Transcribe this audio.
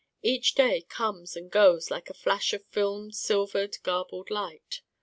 Each day comes and goes like a flash of filmed silvered garbled light.